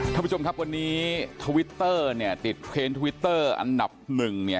ท่านผู้ชมครับวันนี้ทวิตเตอร์เนี่ยติดเทรนดทวิตเตอร์อันดับหนึ่งเนี่ย